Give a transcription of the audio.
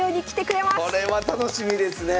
これは楽しみですね！